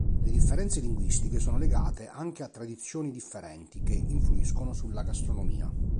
Le differenze linguistiche sono legate anche a tradizioni differenti che influiscono sulla gastronomia.